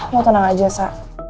lo tenang aja sa